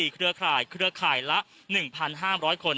เครือข่ายเครือข่ายละ๑๕๐๐คน